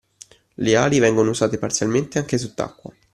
Le ali vengono usate parzialmente anche sott’acqua